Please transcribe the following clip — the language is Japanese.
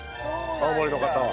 青森の方は。